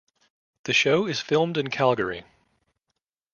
The show is filmed in Calgary.